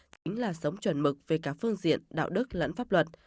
chính là sống chuẩn mực về cả phương diện đạo đức lẫn pháp luật